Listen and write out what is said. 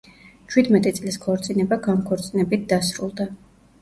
ჩვიდმეტი წლის ქორწინება განქორწინებით დასრულდა.